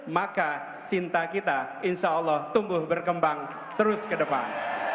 maka cinta kita insya allah tumbuh berkembang terus ke depan